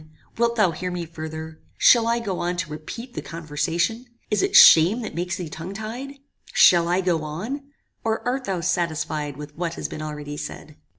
wilt thou hear me further? Shall I go on to repeat the conversation? Is it shame that makes thee tongue tied? Shall I go on? or art thou satisfied with what has been already said?"